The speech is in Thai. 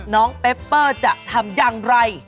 น้องเปปเปอร์จะทำอย่างไร